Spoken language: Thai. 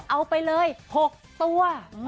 เอาไปเลย๖ตัว